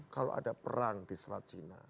kalau ada perang di selat cina